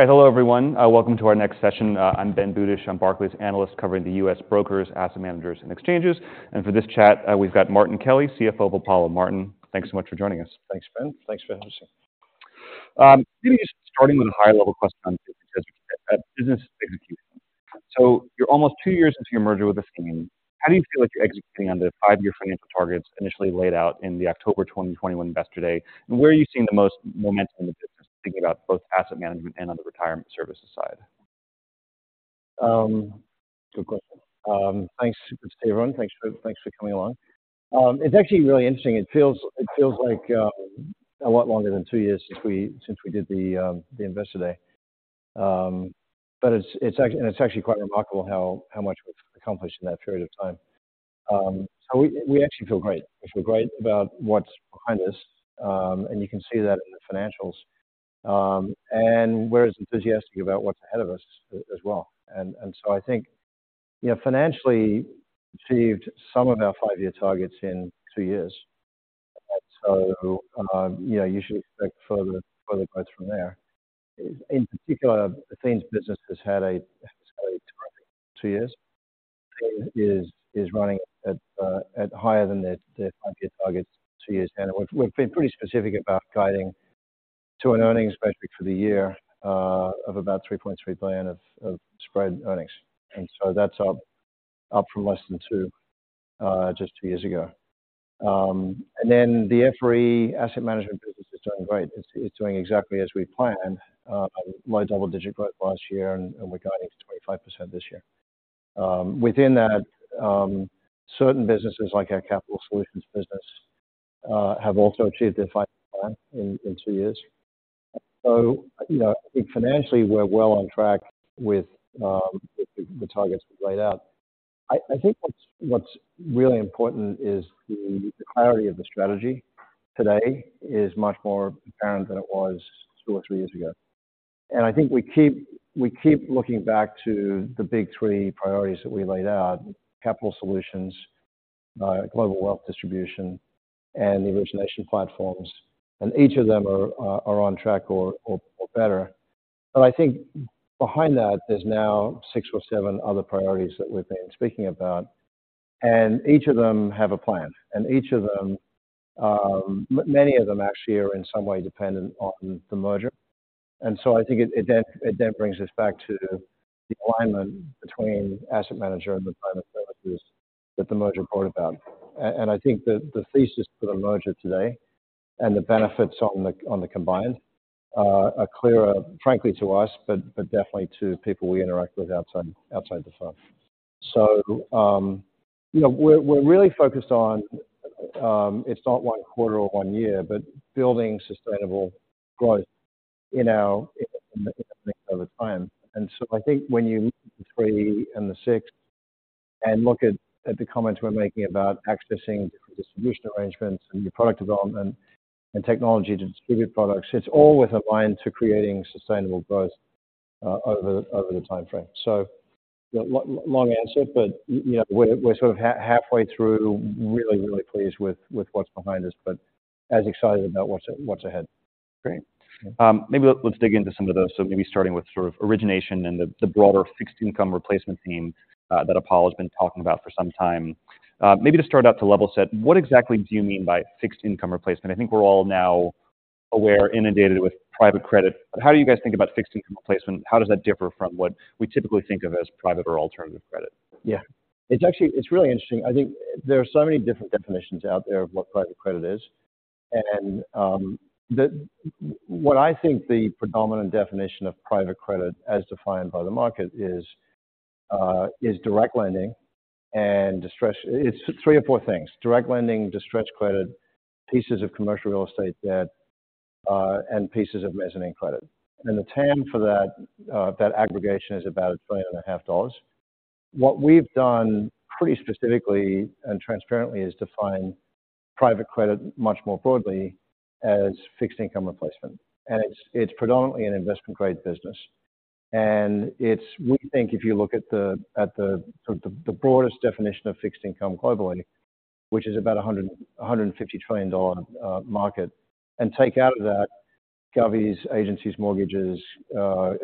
Hello, everyone. Welcome to our next session. I'm Ben Budish. I'm Barclays analyst, covering the US brokers, asset managers, and exchanges. For this chat, we've got Martin Kelly, CFO of Apollo. Martin, thanks so much for joining us. Thanks, Ben. Thanks for having us. Maybe just starting with a high-level question on business execution. So, you're almost two years into your merger with Athene. How do you feel like you're executing on the five-year financial targets initially laid out in the October 2021 Investor Day? And where are you seeing the most momentum in the business, thinking about both asset management and on the retirement services side? Good question. Thanks everyone. Thanks for, thanks for coming along. It's actually really interesting. It feels, it feels like a lot longer than two years since we, since we did the Investor Day. But it's actually quite remarkable how, how much we've accomplished in that period of time. So, we, we actually feel great. We feel great about what's behind us, and you can see that in the financials. And we're as enthusiastic about what's ahead of us as well. And so, I think, you know, financially, we achieved some of our five-year targets in two years. So, you know, you should expect further further growth from there. In particular, Athene's business has had a terrific two years, is running at higher than their five-year targets two years in. And we've been pretty specific about guiding to an earnings metric for the year of about $3.3 billion of spread earnings, and so that's up from less than two just two years ago. And then the FRE asset management business is doing great. It's doing exactly as we planned, low double-digit growth last year, and we're guiding to 25% this year. Within that, certain businesses, like our capital solutions business, have also achieved their five-year plan in two years. So, you know, I think financially, we're well on track with the targets we've laid out. I think what's really important is the clarity of the strategy today is much more apparent than it was two or three years ago. And I think we keep looking back to the big three priorities that we laid out: capital solutions, global wealth distribution, and the origination platforms. And each of them are on track or better. But I think behind that, there's now six or seven other priorities that we've been speaking about, and each of them have a plan, and each of them, many of them actually are in some way dependent on the merger. And so I think it then brings us back to the alignment between asset manager and the private services that the merger brought about. And I think the thesis for the merger today and the benefits on the combined are clearer, frankly, to us, but definitely to people we interact with outside the firm. So, you know, we're, we're really focused on, it's not one quarter or one year, but building sustainable growth in our over time. And so, I think when you read the three and the six and look at, at the comments we're making about accessing different distribution arrangements and new product development and technology to distribute products, it's always aligned to creating sustainable growth, over the, over the time frame. So long answer, but, you know, we're, we're sort of halfway through, really, really pleased with, with what's behind us, but as excited about what's, what's ahead. Great. Maybe let's dig into some of those. So maybe starting with sort of origination and the broader fixed income replacement theme that Apollo's been talking about for some time. Maybe just start out to level set. What exactly do you mean by fixed income replacement? I think we're all now aware, inundated with private credit, but how do you guys think about fixed income replacement? How does that differ from what we typically think of as private or alternative credit? Yeah. It's actually, it's really interesting. I think there are so many different definitions out there of what private credit is, and what I think the predominant definition of private credit, as defined by the market, is direct lending and distressed. It's three or four things: direct lending, distressed credit, pieces of commercial real estate debt, and pieces of mezzanine credit. And the TAM for that aggregation is about $1.5 trillion. What we've done pretty specifically and transparently is define private credit much more broadly as fixed income replacement. It's predominantly an investment-grade business, and we think if you look at the broadest definition of fixed income globally, which is about $150 trillion market, and take out of that govies, agencies, mortgages,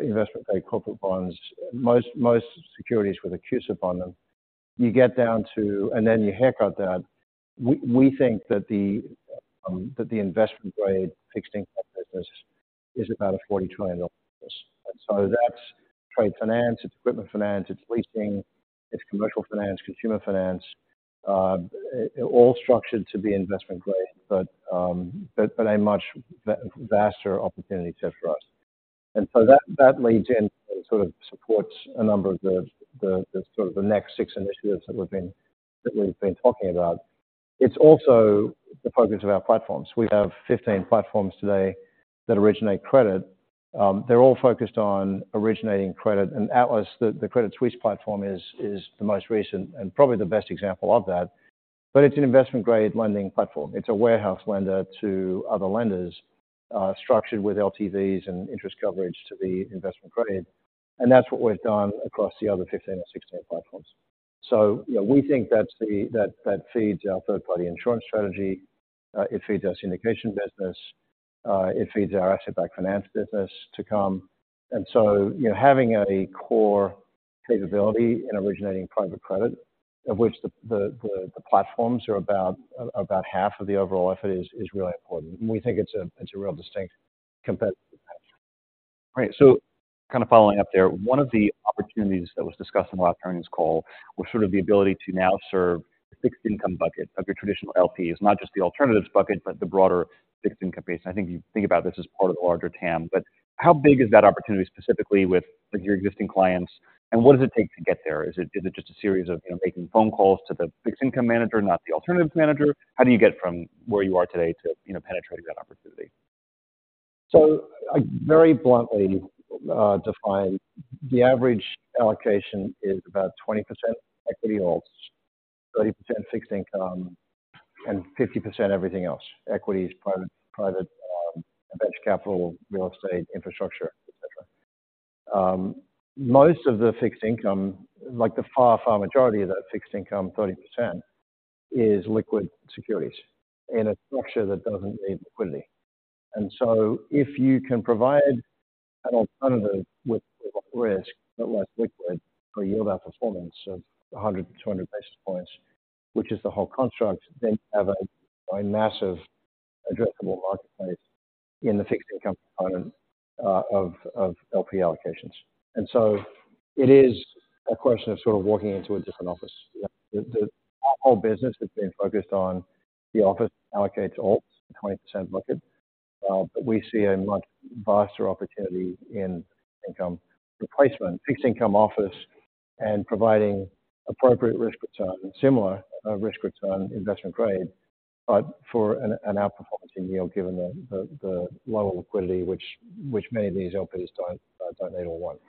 investment-grade corporate bonds, most securities with a CUSIP on them, you get down to... And then you haircut that, we think that the investment-grade fixed income business is about a $40 trillion business. And so that's trade finance, it's equipment finance, it's leasing, it's commercial finance, consumer finance, all structured to be investment-grade, but a much vaster opportunity set for us. So that leads in and sort of supports a number of the sort of the next six initiatives that we've been talking about. It's also the focus of our platforms. We have 15 platforms today that originate credit. They're all focused on originating credit. And Atlas, the Credit Suisse platform is the most recent and probably the best example of that, but it's an investment-grade lending platform. It's a warehouse lender to other lenders, structured with LTVs and interest coverage to the investment credit, and that's what we've done across the other 15 or 16 platforms. So, you know, we think that's the that feeds our third-party insurance strategy. It feeds our syndication business, it feeds our asset-backed finance business to come. And so, you know, having a core capability in originating private credit, of which the platforms are about half of the overall effort is really important. And we think it's a real distinct competitive advantage. Right. So, kind of following up there, one of the opportunities that was discussed in the last earnings call was sort of the ability to now serve the fixed income bucket of your traditional LPs, not just the alternatives bucket, but the broader fixed income base. I think you think about this as part of the larger TAM, but how big is that opportunity specifically with, with your existing clients, and what does it take to get there? Is it, is it just a series of, you know, making phone calls to the fixed income manager, not the alternatives manager? How do you get from where you are today to, you know, penetrating that opportunity? So I very bluntly define the average allocation is about 20% equity alts, 30% fixed income, and 50 everything else, equities, private venture capital, real estate, infrastructure, et cetera. Most of the fixed income, like the far, far majority of that fixed income, 30%, is liquid securities in a structure that doesn't need liquidity. And so if you can provide an alternative with less risk, but less liquid for yield outperformance of 100 to 200 basis points, which is the whole construct, then you have a massive addressable marketplace in the fixed income component of LP allocations. And so it is a question of sort of walking into a different office. You know, the whole business has been focused on the office allocates alts, 20% bucket. But we see a much vaster opportunity in income replacement, fixed income office, and providing appropriate risk return and similar, risk return investment grade, but for an outperforming yield, given the lower liquidity, which many of these LPs don't need or want.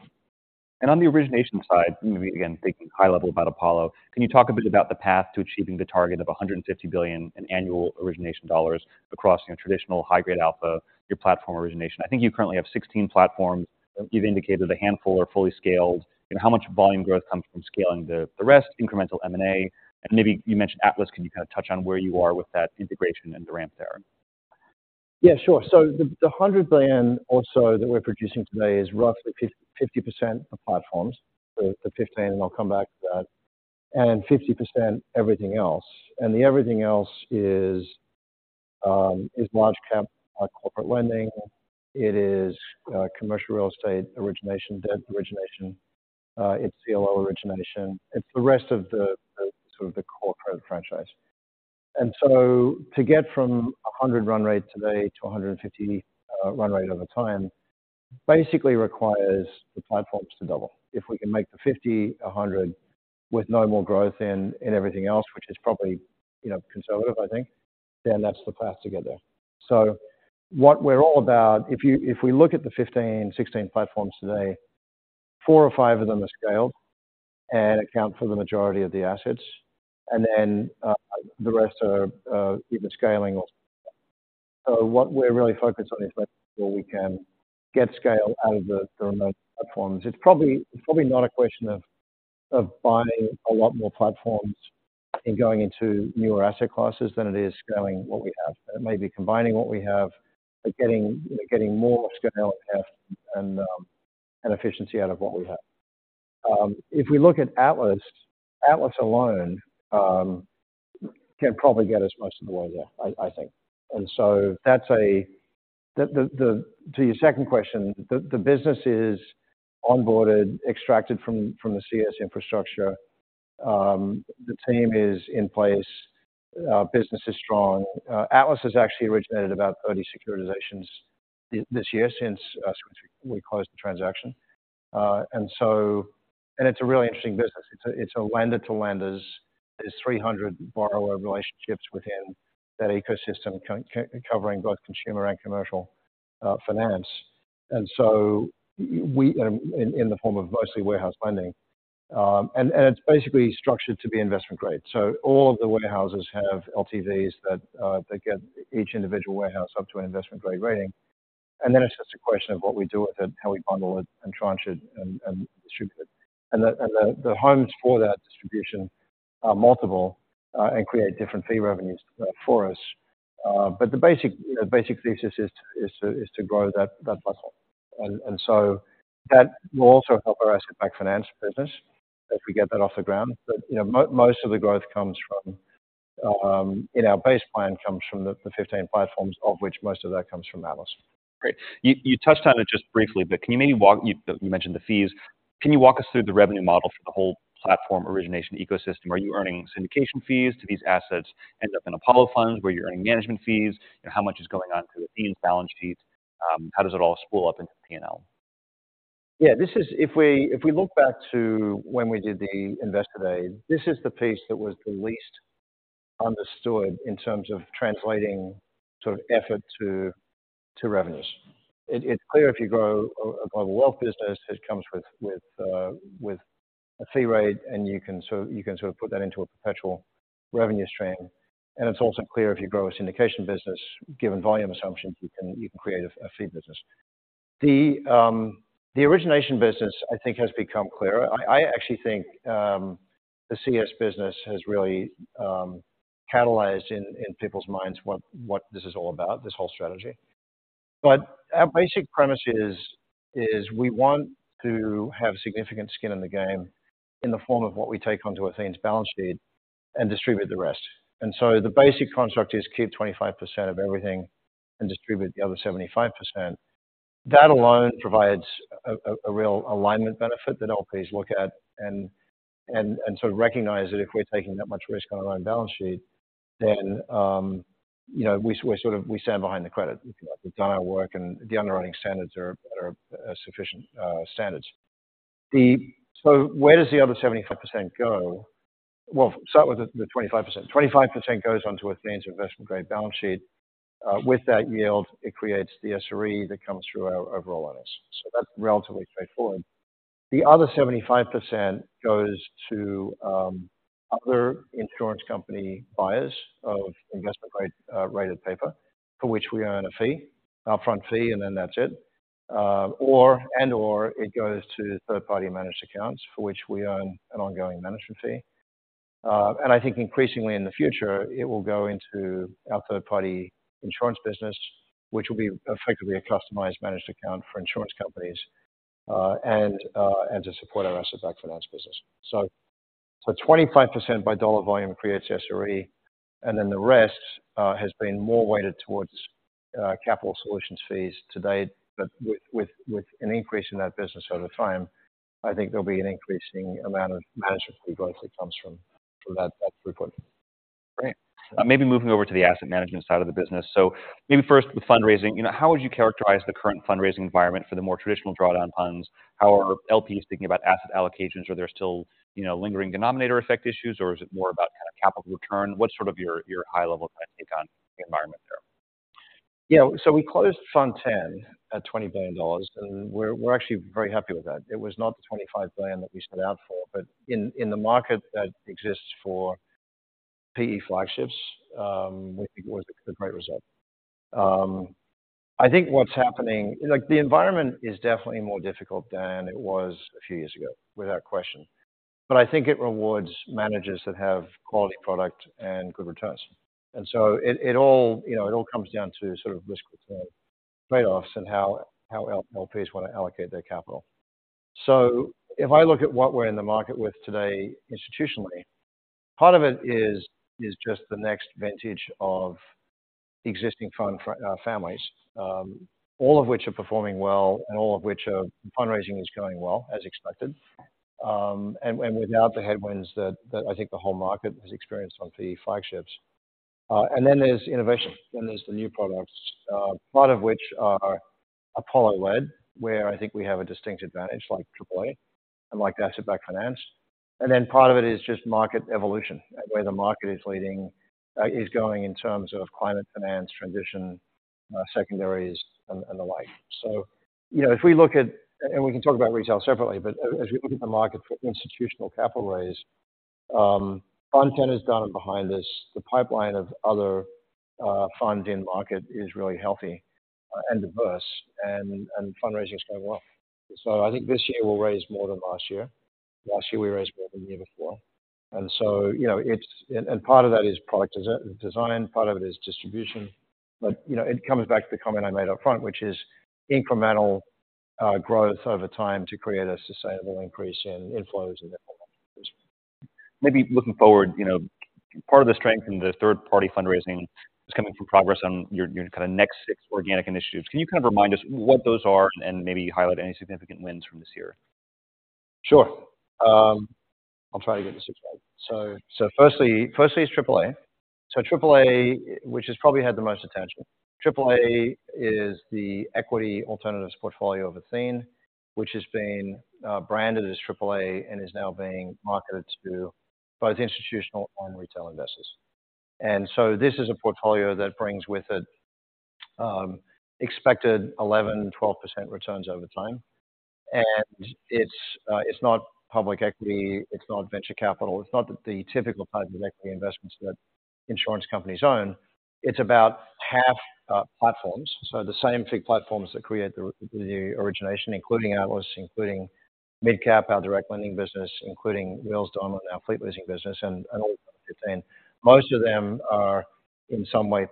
On the origination side, maybe again, thinking high level about Apollo, can you talk a bit about the path to achieving the target of $150 billion in annual origination dollars across, you know, traditional high-grade alpha, your platform origination? I think you currently have 16 platforms. You've indicated a handful are fully scaled. You know, how much volume growth comes from scaling the rest, incremental M&A? And maybe you mentioned Atlas. Can you kind of touch on where you are with that integration and the ramp there? Yeah, sure. So the $100 billion or so that we're producing today is roughly 50% of platforms, so the $50 billion, and I'll come back to that, and $50 billion everything else. The everything else is large cap corporate lending. It is commercial real estate origination, debt origination, it's CLO origination. It's the rest of the sort of the core credit franchise. So to get from a $100 billion run rate today to a $150 billion run rate over time, basically requires the platforms to double. If we can make the $50 to100 billion with no more growth in everything else, which is probably, you know, conservative, I think, then that's the path to get there. So what we're all about, if we look at the 15, 16 platforms today, four or five of them are scaled and account for the majority of the assets, and then the rest are either scaling or so. So what we're really focused on is whether we can get scale out of the remaining platforms. It's probably not a question of buying a lot more platforms and going into newer asset classes than it is scaling what we have. And it may be combining what we have, but getting more scale and efficiency out of what we have. If we look at Atlas, Atlas alone can probably get us most of the way there, I think. And so that's to your second question, the business is onboarded, extracted from the CS infrastructure. The team is in place. Business is strong. Atlas has actually originated about 30 securitizations this year since we closed the transaction. And so it's a really interesting business. It's a lender to lenders. There's 300 borrower relationships within that ecosystem covering both consumer and commercial finance. And so we in the form of mostly warehouse lending, and it's basically structured to be investment grade. So all of the warehouses have LTVs that get each individual warehouse up to an investment grade rating. And then it's just a question of what we do with it, how we bundle it and tranche it and distribute it. And the homes for that distribution are multiple, and create different fee revenues for us. But the basic thesis is to grow that bustle. And so that will also help our asset-backed finance business, if we get that off the ground. But, you know, most of the growth comes from, in our base plan, comes from the 15 platforms, of which most of that comes from Atlas. Great. You touched on it just briefly, but can you maybe walk... You mentioned the fees. Can you walk us through the revenue model for the whole platform origination ecosystem? Are you earning syndication fees? Do these assets end up in Apollo funds where you're earning management fees? You know, how much is going on to the Athene balance sheets? How does it all spool up into the P&L? Yeah, this is—if we look back to when we did the Investor Day, this is the piece that was the least understood in terms of translating sort of effort to revenues. It's clear if you grow a global wealth business, it comes with a fee rate, and you can sort of put that into a perpetual revenue stream. And it's also clear if you grow a syndication business, given volume assumptions, you can create a fee business.... The origination business, I think, has become clearer. I actually think the CS business has really catalyzed in people's minds what this is all about, this whole strategy. But our basic premise is we want to have significant skin in the game in the form of what we take onto Athene's balance sheet and distribute the rest. And so the basic construct is keep 25% of everything and distribute the other 75%. That alone provides a real alignment benefit that LPs look at and sort of recognize that if we're taking that much risk on our own balance sheet, then, you know, we sort of-- we stand behind the credit. We've done our work, and the underwriting standards are sufficient standards. So where does the other 75% go? Well, start with the 25%. 25% goes onto Athene's investment-grade balance sheet. With that yield, it creates the SRE that comes through our overall owners. So that's relatively straightforward. The other 75% goes to other insurance company buyers of investment grade rated paper, for which we earn a fee, upfront fee, and then that's it. Or, and/or it goes to third-party managed accounts, for which we own an ongoing management fee. And I think increasingly in the future, it will go into our third-party insurance business, which will be effectively a customized managed account for insurance companies, and to support our asset-backed finance business. So 25% by dollar volume creates SRE, and then the rest has been more weighted towards capital solutions fees to date. But with an increase in that business over time, I think there'll be an increasing amount of management fee growth that comes from that group. Great. Maybe moving over to the asset management side of the business. So maybe first, the fundraising. You know, how would you characterize the current fundraising environment for the more traditional drawdown funds? How are LPs thinking about asset allocations? Are there still, you know, lingering denominator effect issues, or is it more about kind of capital return? What's sort of your, your high-level kind of take on the environment there? Yeah. So we closed Fund X at $20 billion, and we're actually very happy with that. It was not the $25 billion that we set out for, but in the market that exists for PE flagships, we think it was a great result. I think what's happening—like, the environment is definitely more difficult than it was a few years ago, without question. But I think it rewards managers that have quality product and good returns. And so it all, you know, it all comes down to sort of risk return trade-offs and how LPs want to allocate their capital. So if I look at what we're in the market with today, institutionally, part of it is just the next vintage of existing fund families, all of which are performing well and all of which are... Fundraising is going well, as expected, and without the headwinds that I think the whole market has experienced on PE flagships. And then there's innovation, then there's the new products, part of which are Apollo led, where I think we have a distinct advantage, like AAA and like the asset-backed finance. And then part of it is just market evolution, where the market is leading, is going in terms of climate finance, transition, secondaries, and the like. So, you know, if we look at—and we can talk about retail separately, but as we look at the market for institutional capital raise, Fund X is done and behind us, the pipeline of other funds in market is really healthy and diverse, and fundraising is going well. So I think this year we'll raise more than last year. Last year, we raised more than the year before. And so, you know, it's, and part of that is product design, and part of it is distribution. But, you know, it comes back to the comment I made up front, which is incremental growth over time to create a sustainable increase in inflows and outflows. Maybe looking forward, you know, part of the strength in the third-party fundraising is coming from progress on your, your kind of next six organic initiatives. Can you kind of remind us what those are and maybe highlight any significant wins from this year? Sure. I'll try to get the six right. So firstly is AAA. So AAA, which has probably had the most attention. AAA is the equity alternatives portfolio of Athene, which has been branded as AAA and is now being marketed to both institutional and retail investors. And so this is a portfolio that brings with it expected 11% to 12% returns over time. And it's not public equity, it's not venture capital. It's not the typical private equity investments that insurance companies own. It's about half platforms, so the same fig platforms that create the origination, including Atlas, including MidCap, our direct lending business, including Wheels Donlen, our fleet leasing business, and all contained. Most of them are, in some way,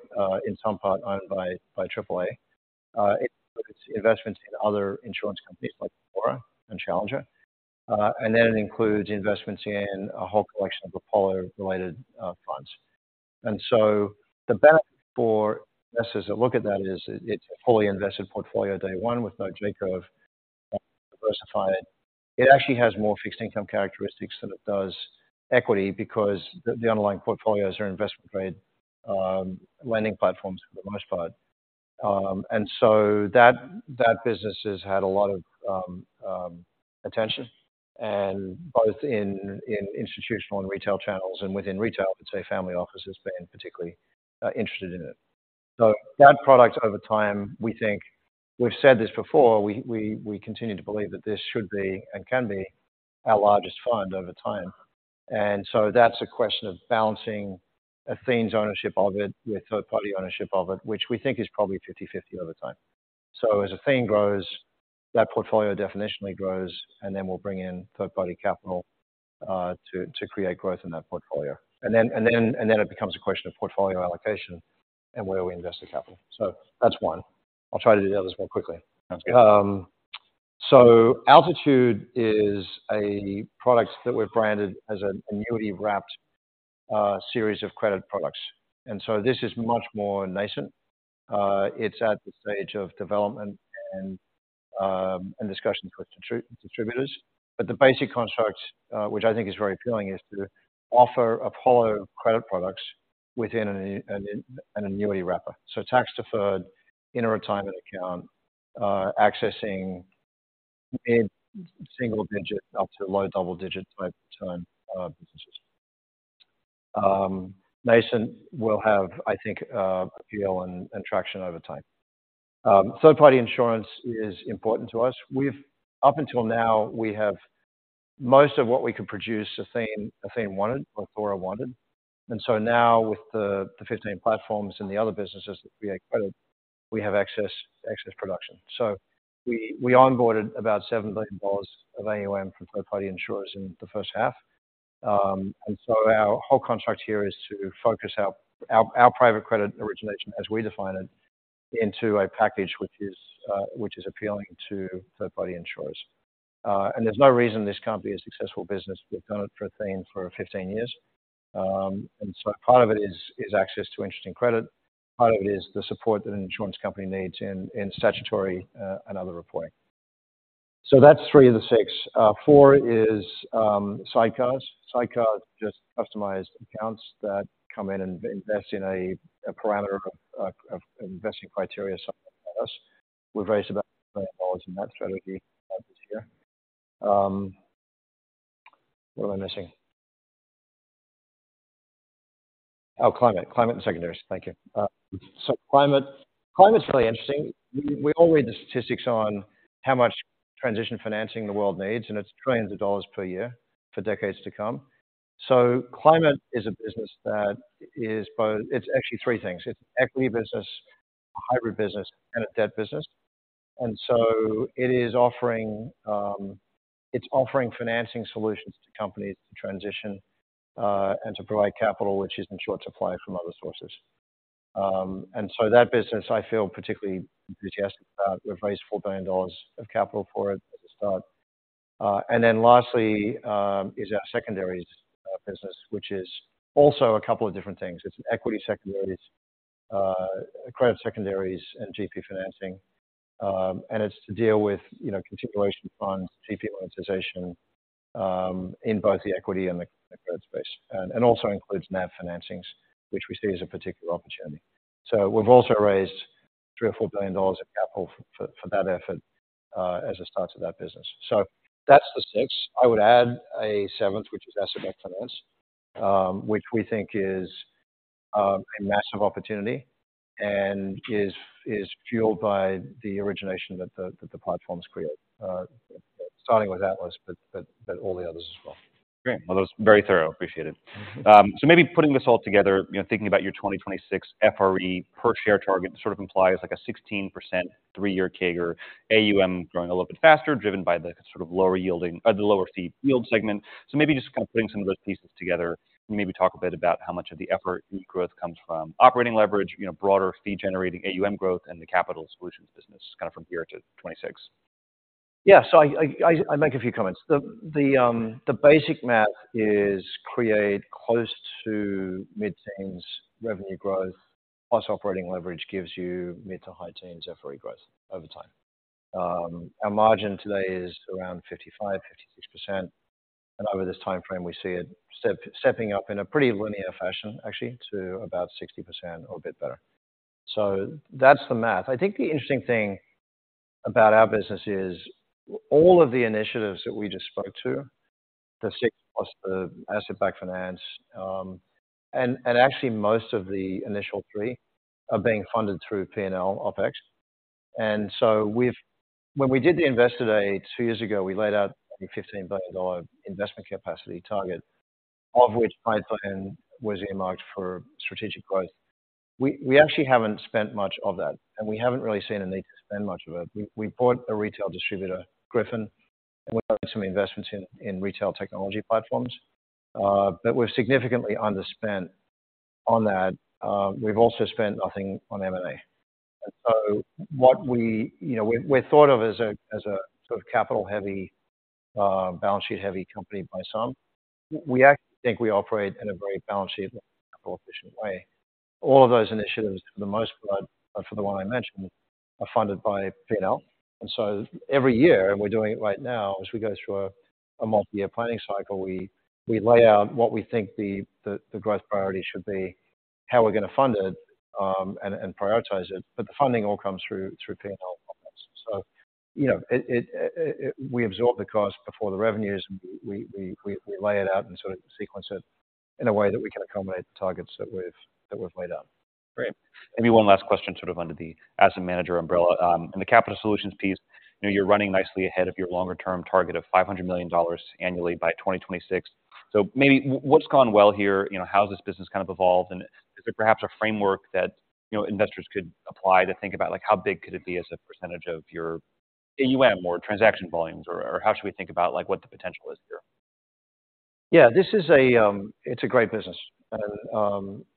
in some part, owned by AAA. It includes investments in other insurance companies like Athora and Challenger, and then it includes investments in a whole collection of Apollo-related funds. And so the best for investors to look at that is it's a fully invested portfolio, day one, with no j curve diversified. It actually has more fixed income characteristics than it does equity because the underlying portfolios are investment-grade lending platforms for the most part. And so that business has had a lot of attention, and both in institutional and retail channels, and within retail, I'd say family office has been particularly interested in it. So that product over time, we think... We've said this before, we continue to believe that this should be, and can be... our largest fund over time. And so that's a question of balancing Athene's ownership of it with third-party ownership of it, which we think is probably 50/50 over time. So as Athene grows, that portfolio definitionally grows, and then we'll bring in third-party capital to create growth in that portfolio. And then it becomes a question of portfolio allocation and where we invest the capital. So that's one. I'll try to do the others more quickly. Sounds good. So Altitude is a product that we've branded as an annuity-wrapped series of credit products, and so this is much more nascent. It's at the stage of development and discussions with distributors. But the basic construct, which I think is very appealing, is to offer Apollo credit products within an annuity wrapper. So tax-deferred in a retirement account, accessing mid-single digit up to low double digit type return businesses. Nascent will have, I think, appeal and traction over time. Third-party insurance is important to us. We've up until now, we have most of what we can produce, Athene, Athene wanted or Athora wanted, and so now with the 15 platforms and the other businesses that create credit, we have excess production. So we onboarded about $7 billion of AUM from third-party insurers in the first half. And so our whole contract here is to focus our private credit origination, as we define it, into a package which is appealing to third-party insurers. And there's no reason this can't be a successful business. We've done it for Athene for 15 years. And so part of it is access to interesting credit. Part of it is the support that an insurance company needs in statutory and other reporting. So that's three of the six. Four is sidecars. Sidecars are just customized accounts that come in and invest in a parameter of investing criteria somewhere with us. We've raised about million dollars in that strategy this year. What am I missing? Oh, climate. Climate and secondaries. Thank you. Climate. Climate is really interesting. We all read the statistics on how much transition financing the world needs, and it's trillions of dollars per year for decades to come. Climate is a business that is both... It's actually three things. It's equity business, a hybrid business, and a debt business. And so it is offering, it's offering financing solutions to companies to transition, and to provide capital, which is in short supply from other sources. And so that business I feel particularly enthusiastic about. We've raised $4 billion of capital for it as a start. And then lastly, is our secondaries business, which is also a couple of different things. It's an equity secondaries, credit secondaries, and GP financing, and it's to deal with, you know, continuation funds, GP monetization, in both the equity and the credit space, and also includes NAV financings, which we see as a particular opportunity. So we've also raised $3 to 4 billion of capital for that effort, as a start to that business. So that's the six. I would add a seventh, which is asset-backed finance, which we think is a massive opportunity and is fueled by the origination that the platforms create, starting with Atlas, but all the others as well. Great! Well, that was very thorough. Appreciate it. Thank you. So maybe putting this all together, you know, thinking about your 2026 FRE per share target sort of implies like a 16% three-year CAGR, AUM growing a little bit faster, driven by the sort of lower yielding or the lower fee yield segment. So maybe just kind of putting some of those pieces together, and maybe talk a bit about how much of the effort in growth comes from operating leverage, you know, broader fee-generating AUM growth and the capital solutions business, kind of from here to 2026. Yeah. So I make a few comments. The basic math is create close to mid-teens revenue growth, plus operating leverage gives you mid-to-high-teens FRE growth over time. Our margin today is around 55% to 56%, and over this timeframe, we see it stepping up in a pretty linear fashion, actually, to about 60% or a bit better. So that's the math. I think the interesting thing about our business is all of the initiatives that we just spoke to, the six plus the asset-backed finance, and actually most of the initial three are being funded through P&L OpEx. And so we've when we did the Investor Day two years ago, we laid out a $15 billion investment capacity target, of which pipeline was earmarked for strategic growth. We actually haven't spent much of that, and we haven't really seen a need to spend much of it. We bought a retail distributor, Griffin, and we've done some investments in retail technology platforms, but we're significantly underspent on that. We've also spent nothing on M&A. And so what we... You know, we're thought of as a sort of capital-heavy, balance sheet-heavy company by some. We actually think we operate in a very balance sheet capital efficient way. All of those initiatives, for the most part, for the one I mentioned, are funded by P&L. Every year, and we're doing it right now, as we go through a multi-year planning cycle, we lay out what we think the growth priority should be, how we're going to fund it, and prioritize it, but the funding all comes through P&L. You know, it, we absorb the cost before the revenues. We lay it out and sort of sequence it in a way that we can accommodate the targets that we've laid out. Great. Maybe one last question, sort of under the asset manager umbrella. In the capital solutions piece, you know, you're running nicely ahead of your longer-term target of $500 million annually by 2026. So maybe what's gone well here? You know, how has this business kind of evolved? And is there perhaps a framework that, you know, investors could apply to think about, like, how big could it be as a percentage of your AUM or transaction volumes, or, or how should we think about, like, what the potential is here? Yeah, this is a great business,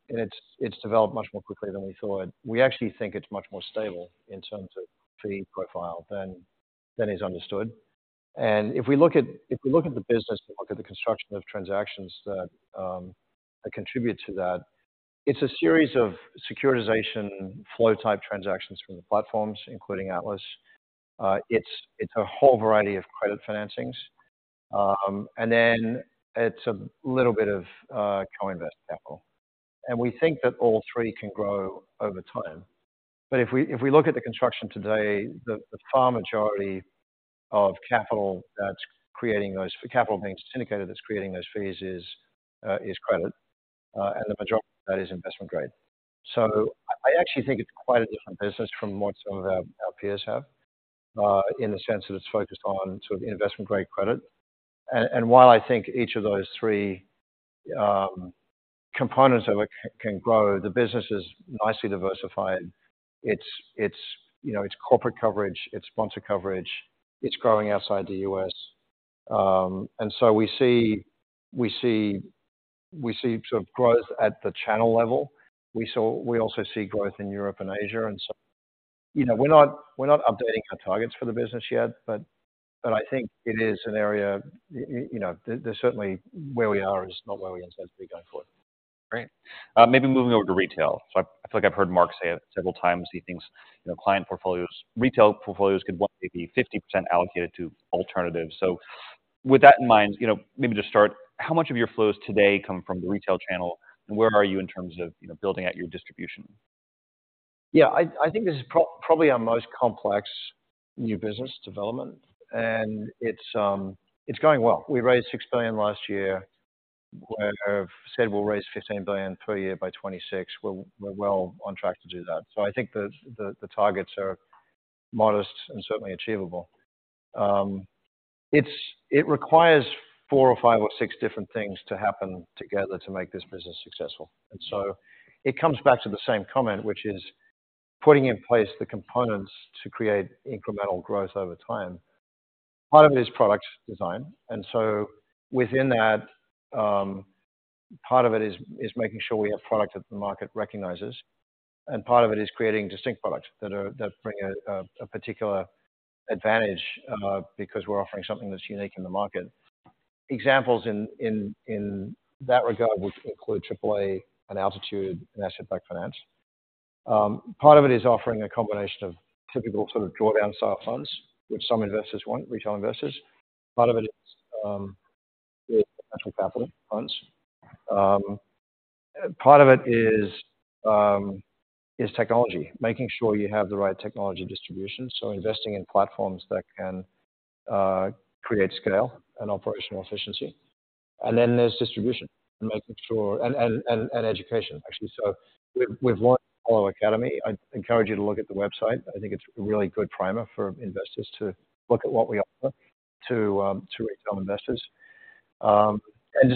and it's developed much more quickly than we thought. We actually think it's much more stable in terms of fee profile than is understood. And if we look at the business, we look at the construction of transactions that contribute to that, it's a series of securitization flow type transactions from the platforms, including Atlas. It's a whole variety of credit financings. And then it's a little bit of co-invest capital. And we think that all three can grow over time. But if we look at the construction today, the far majority of capital that's creating those, capital means syndicated, that's creating those fees is credit, and the majority of that is investment grade. So I actually think it's quite a different business from what some of our peers have in the sense that it's focused on sort of investment-grade credit. And while I think each of those three components of it can grow, the business is nicely diversified. It's you know it's corporate coverage, it's sponsor coverage, it's growing outside the US And so we see sort of growth at the channel level. We also see growth in Europe and Asia, and so you know we're not updating our targets for the business yet, but I think it is an area you know there's certainly where we are is not where we intend to be going forward. Great. Maybe moving over to retail. So I feel like I've heard Marc say it several times. He thinks, you know, client portfolios, retail portfolios could one day be 50% allocated to alternatives. So with that in mind, you know, maybe just start, how much of your flows today come from the retail channel, and where are you in terms of, you know, building out your distribution? Yeah, I think this is probably our most complex new business development, and it's going well. We raised $6 billion last year, where I've said we'll raise $15 billion per year by 2026. We're well on track to do that. So I think the targets are modest and certainly achievable. It requires four or five or six different things to happen together to make this business successful. And so it comes back to the same comment, which is putting in place the components to create incremental growth over time. Part of it is product design, and so within that, part of it is making sure we have product that the market recognizes, and part of it is creating distinct products that bring a particular advantage because we're offering something that's unique in the market. Examples in that regard would include AAA and Altitude and asset-backed finance. Part of it is offering a combination of typical sort of drawdown style funds, which some investors want, retail investors. Part of it is natural capital funds. Part of it is technology, making sure you have the right technology distribution, so investing in platforms that can create scale and operational efficiency. And then there's distribution and making sure... And education, actually. So we've launched Apollo Academy. I'd encourage you to look at the website. I think it's a really good primer for investors to look at what we offer to retail investors. And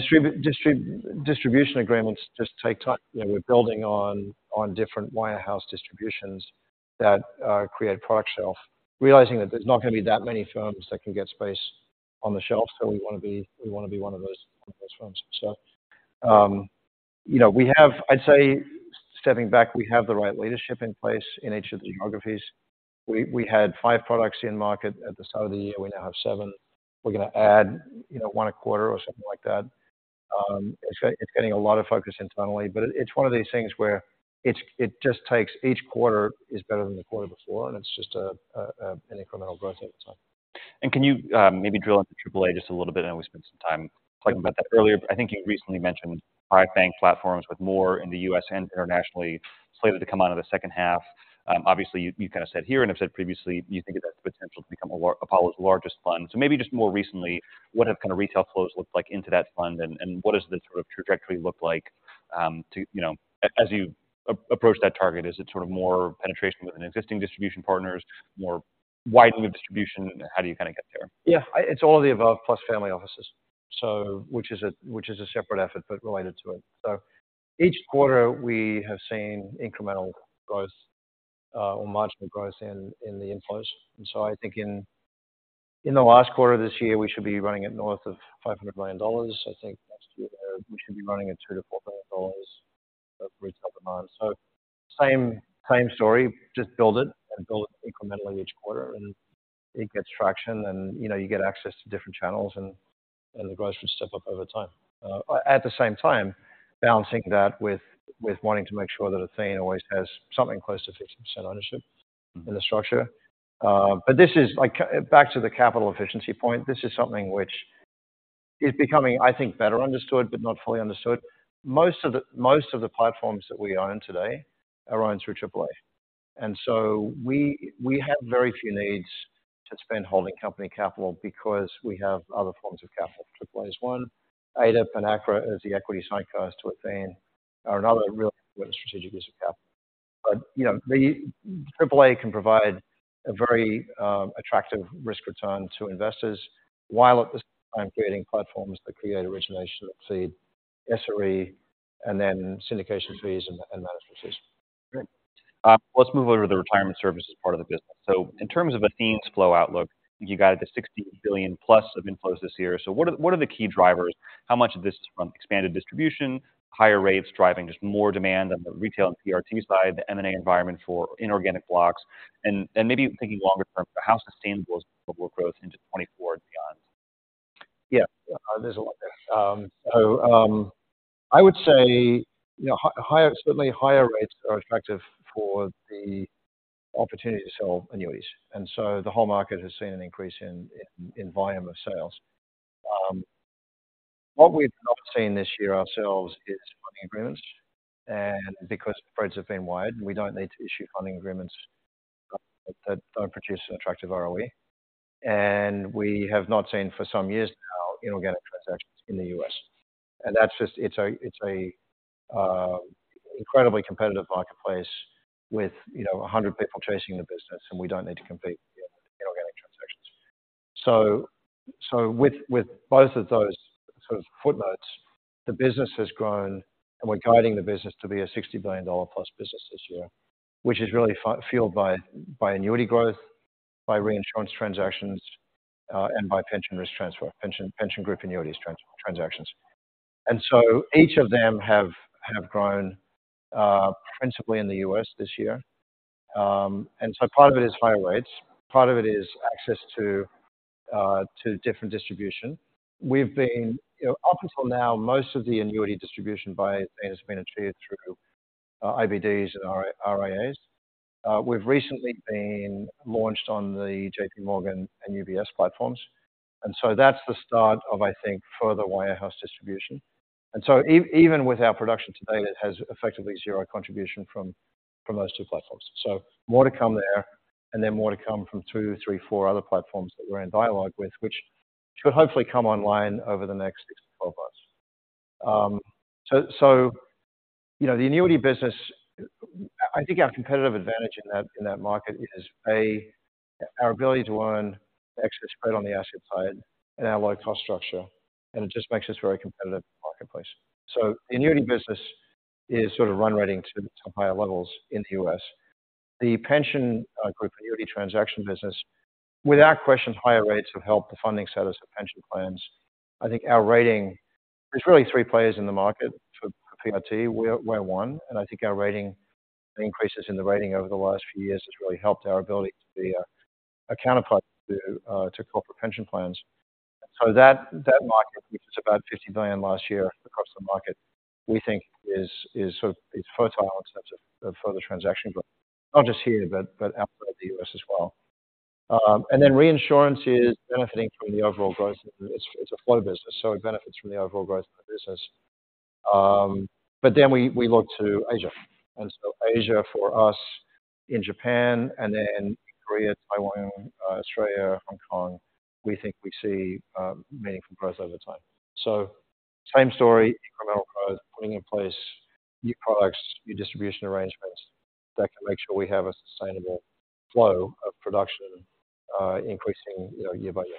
distribution agreements just take time. You know, we're building on different warehouse distributions that create product shelf, realizing that there's not going to be that many firms that can get space on the shelf, so we wanna be, we wanna be one of those, one of those firms. So, you know, we have... I'd say, stepping back, we have the right leadership in place in each of the geographies. We had five products in market at the start of the year, we now have seven. We're gonna add, you know, one a quarter or something like that. It's getting a lot of focus internally, but it's one of these things where it just takes each quarter is better than the quarter before, and it's just an incremental growth over time. Can you maybe drill into AAA just a little bit? I know we spent some time talking about that earlier, but I think you recently mentioned private bank platforms with more in the US and internationally slated to come out in the second half. Obviously, you, you've kind of said here and have said previously, you think of that potential to become Apollo's largest fund. So maybe just more recently, what have kind of retail flows looked like into that fund, and what does the sort of trajectory look like, to you know, as you approach that target, is it sort of more penetration within existing distribution partners, more widening the distribution? How do you kind of get there? Yeah, it's all of the above, plus family offices, so which is a, which is a separate effort, but related to it. So each quarter we have seen incremental growth, or marginal growth in, in the inflows. And so I think in, in the last quarter of this year, we should be running at north of $500 million. I think next year, we should be running at $2 to 4 billion of retail demand. So same, same story, just build it and build it incrementally each quarter, and it gets traction and, you know, you get access to different channels, and, and the growth will step up over time. At the same time, balancing that with, with wanting to make sure that Athene always has something close to 50% ownership in the structure. But this is like... Back to the capital efficiency point, this is something which is becoming, I think, better understood, but not fully understood. Most of the, most of the platforms that we own today are owned through AAA.... And so we, we have very few needs to spend holding company capital because we have other forms of capital. AAA is one. ADIP is the equity sidecar to Athene, are another really strategic use of capital. But, you know, the AAA can provide a very, attractive risk return to investors while at the same time creating platforms that create origination that seed SRE and then syndication fees and, and management fees. Great. Let's move over to the retirement services part of the business. So in terms of Athene's flow outlook, you guided to $60 billion plus of inflows this year. So what are, what are the key drivers? How much of this is from expanded distribution, higher rates driving just more demand on the retail and PRT side, the M&A environment for inorganic blocks, and, and maybe thinking longer term, how sustainable is global growth into 2024 and beyond? Yeah, there's a lot there. So, I would say, you know, higher, certainly higher rates are attractive for the opportunity to sell annuities, and so the whole market has seen an increase in volume of sales. What we've not seen this year ourselves is funding agreements, and because spreads have been wide, we don't need to issue funding agreements that don't produce an attractive ROE. And we have not seen for some years now inorganic transactions in the US And that's just... It's an incredibly competitive marketplace with, you know, 100 people chasing the business, and we don't need to compete in inorganic transactions. So with both of those sort of footnotes, the business has grown, and we're guiding the business to be a $60 billion plus business this year, which is really fueled by annuity growth, by reinsurance transactions, and by pension risk transfer, pension group annuities transactions. And so each of them have grown, principally in the US this year. And so part of it is higher rates, part of it is access to different distribution. We've been, you know, up until now, most of the annuity distribution by Athene has been achieved through IBDs and RIAs. We've recently been launched on the JP Morgan and UBS platforms, and so that's the start of, I think, further wirehouse distribution. So even with our production today, it has effectively zero contribution from those two platforms. So more to come there, and then more to come from two, three, four other platforms that we're in dialogue with, which should hopefully come online over the next six to 12 months. So, you know, the annuity business, I think our competitive advantage in that market is A, our ability to earn extra spread on the asset side and our low cost structure, and it just makes us very competitive in the marketplace. So annuity business is sort of run rating to higher levels in the US The pension group annuity transaction business, without question, higher rates have helped the funding status of pension plans. I think our rating. There's really three players in the market for PRT. We're one, and I think our rating increases in the rating over the last few years has really helped our ability to be a counterparty to corporate pension plans. So that market, which is about $50 billion last year across the market, we think is sort of it's fertile in terms of further transaction growth, not just here, but outside the US as well. And then reinsurance is benefiting from the overall growth. It's a flow business, so it benefits from the overall growth of the business. But then we look to Asia. And so Asia for us, in Japan and then in Korea, Taiwan, Australia, Hong Kong, we think we see meaningful growth over time. So same story, incremental growth, putting in place new products, new distribution arrangements that can make sure we have a sustainable flow of production, increasing, you know, year by year.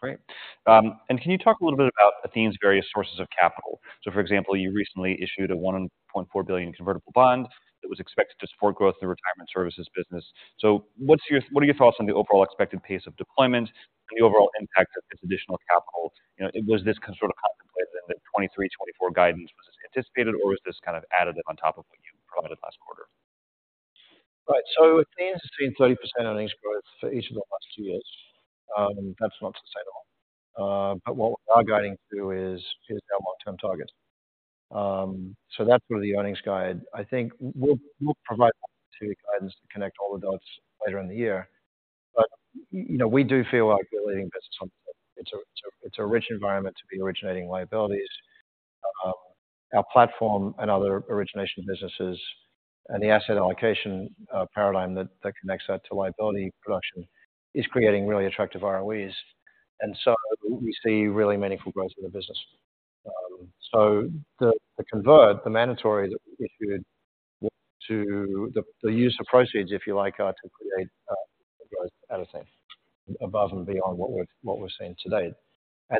Great. And can you talk a little bit about Athene's various sources of capital? So, for example, you recently issued a $1.4 billion convertible bond that was expected to support growth in the retirement services business. So, what are your thoughts on the overall expected pace of deployment and the overall impact of this additional capital? You know, was this sort of contemplated in the 2023, 2024 guidance? Was this anticipated, or was this kind of added on top of what you provided last quarter? Right. So Athene has seen 30% earnings growth for each of the last few years. That's not sustainable. But what we're now guiding to is our long-term target. So that's where the earnings guide. I think we'll provide the guidance to connect all the dots later in the year. But, you know, we do feel like we're leading business on... It's a rich environment to be originating liabilities. Our platform and other origination businesses and the asset allocation paradigm that connects that to liability production is creating really attractive ROEs, and so we see really meaningful growth in the business. So the mandatory convertible that we issued. The use of proceeds, if you like, are to create growth out of thin air, above and beyond what we're seeing today.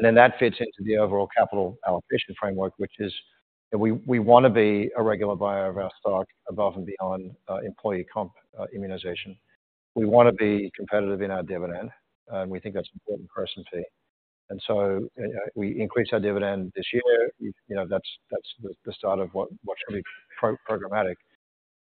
That fits into the overall capital allocation framework, which is we wanna be a regular buyer of our stock above and beyond employee comp, immunization. We wanna be competitive in our dividend, and we think that's an important currency. So we increased our dividend this year. You know, that's the start of what should be programmatic.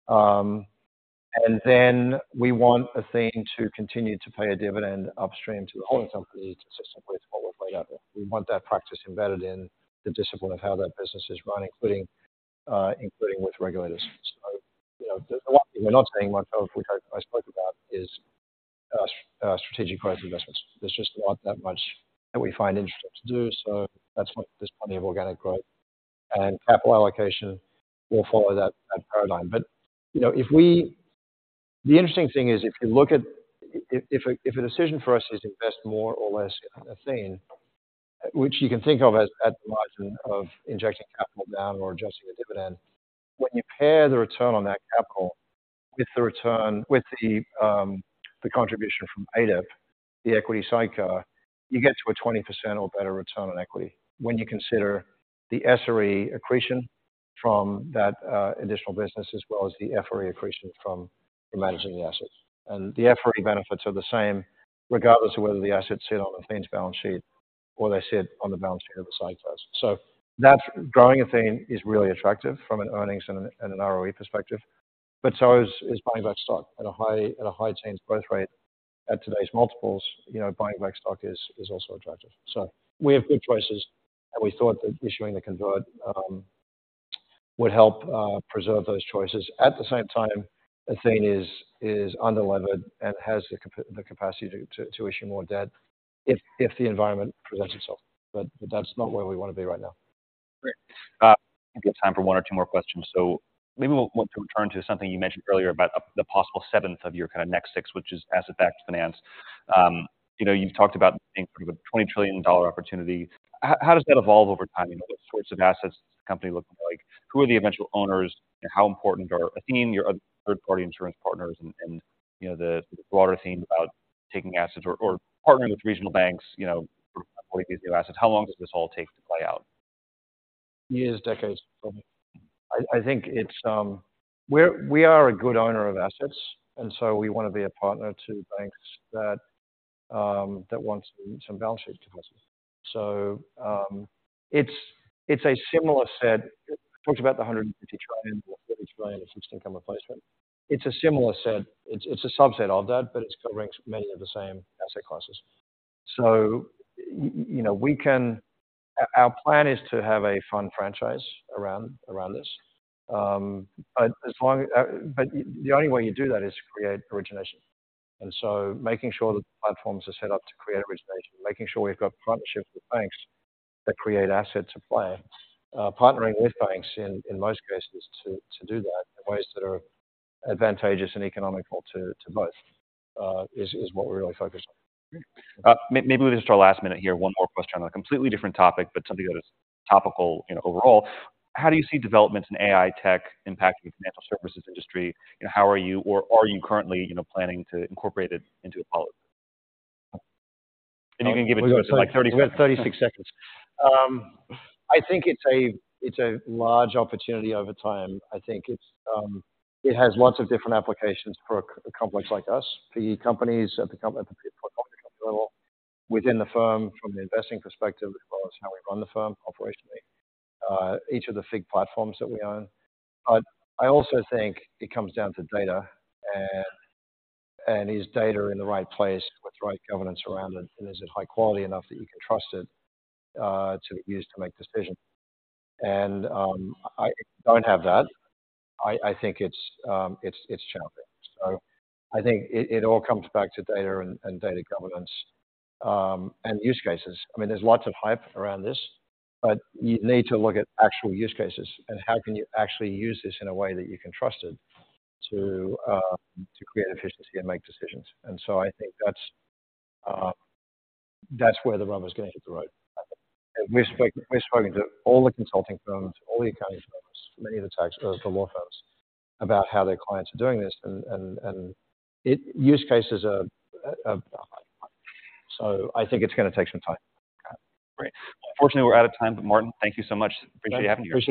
And then we want Athene to continue to pay a dividend upstream to the holding company consistently to forward whatever. We want that practice embedded in the discipline of how that business is run, including with regulators. So, you know, a lot we're not saying much of which I spoke about is strategic growth investments. There's just not that much that we find interesting to do, so that's why there's plenty of organic growth, and capital allocation will follow that paradigm. But, you know, if we, the interesting thing is, if you look at, if a decision for us is invest more or less in Athene, which you can think of as at the margin of injecting capital down or adjusting the dividend, when you pair the return on that capital with the return, with the contribution from ADIP, the equity sidecar, you get to a 20% or better return on equity when you consider the SRE accretion from that additional business, as well as the FRE accretion from managing the assets. The FRE benefits are the same, regardless of whether the assets sit on Athene's balance sheet or they sit on the balance sheet of the sidecars. So that's growing Athene is really attractive from an earnings and an ROE perspective, but so is buying back stock at a high teens growth rate. At today's multiples, you know, buying back stock is also attractive. So we have good choices, and we thought that issuing the convert would help preserve those choices. At the same time, Athene is underlevered and has the capacity to issue more debt if the environment presents itself. But that's not where we wanna be right now. Great. I think we have time for one or two more questions. So maybe we'll turn to something you mentioned earlier about the possible seventh of your kinda next six, which is asset-backed finance. You know, you've talked about think of a $20 trillion opportunity. How does that evolve over time? You know, what sorts of assets does the company look like? Who are the eventual owners, and how important are Athene, your other third-party insurance partners, and you know, the broader theme about taking assets or partnering with regional banks, you know, for these new assets? How long does this all take to play out? Years, decades probably. I think it's, we're a good owner of assets, and so we wanna be a partner to banks that want some balance sheet capacity. So, it's a similar set. We talked about the $150 trillion or $30 trillion in fixed income replacement. It's a similar set. It's a subset of that, but it still ranks many of the same asset classes. So you know, we can... Our plan is to have a fund franchise around this. But as long as... But the only way you do that is to create origination. Making sure that the platforms are set up to create origination, making sure we've got partnerships with banks that create asset supply, partnering with banks in most cases, to do that in ways that are advantageous and economical to both, is what we're really focused on. Maybe just our last minute here, one more question on a completely different topic, but something that is topical, you know, overall. How do you see developments in AI tech impacting the financial services industry? You know, how are you or are you currently, you know, planning to incorporate it into your policy? And you can give it to us in, like, 30 seconds. We have 36 seconds. I think it's a large opportunity over time. I think it has lots of different applications for a complex like us, for companies at the company level, within the firm, from the investing perspective, as well as how we run the firm operationally, each of the FIG platforms that we own. I also think it comes down to data, and is data in the right place with the right governance around it, and is it high quality enough that you can trust it to use to make decisions? I don't have that. I think it's challenging. So I think it all comes back to data and data governance, and use cases. I mean, there's lots of hype around this, but you need to look at actual use cases and how can you actually use this in a way that you can trust it to to create efficiency and make decisions. And so I think that's that's where the rubber is gonna hit the road. We're speaking to all the consulting firms, all the accounting firms, many of the tax and the law firms, about how their clients are doing this, and use cases are, so I think it's gonna take some time. Great. Unfortunately, we're out of time, but, Martin, thank you so much. Appreciate having you here.